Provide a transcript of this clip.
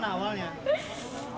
kamu dapat duit dari kita